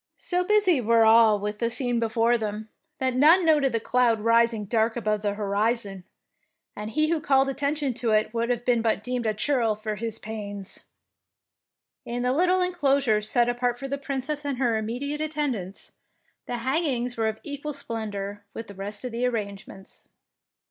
So busy were all with the scene before them, that none noted the cloud rising dark above the horizon, and he who called attention to it would 72 THE PKINCESS WINS have been but deemed a churl for his pains. In the little enclosure set apart for the Princess and her immediate attend ants, the hangings were of equal splen dour with the rest of the arrangements.